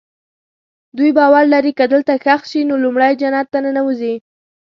دوی باور لري که دلته ښخ شي نو لومړی جنت ته ننوځي.